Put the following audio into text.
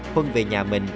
huân về nhà mình